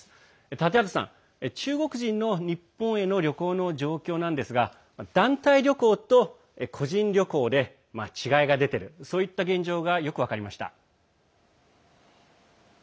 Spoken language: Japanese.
建畠さん中国人の日本旅行への状況ですが団体旅行と個人旅行で違いが出てるというそういった現状がよく分かりました。